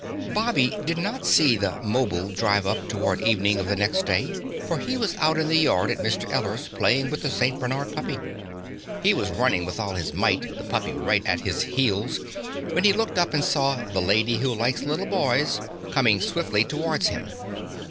Bobby did not see the 'mobile drive up toward evening of the next day for he was out in the yard at Mr. Eller's playing with the St. Bernard puppy. He was running with all his might, the puppy right at his heels, when he looked up and saw the Lady Who Likes Little Boys coming swiftly towards him.